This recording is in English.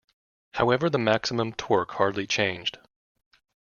However the maximum torque hardly changed.